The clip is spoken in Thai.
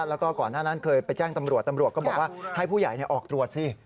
แล้วก็ก่อนหน้านั้นเคยไปแจ้งตำรวจตำรวจก็บอกว่าให้ผู้ใหญ่ออกตรวจสิ